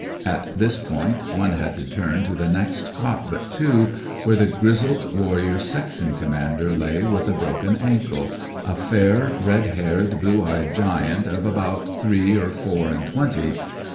At this point one had to turn to the next cot but two, where the grizzled warrior's section commander lay with a broken ankl^ —a fair, red haired, blue eyed giant, of about three or four and twenty.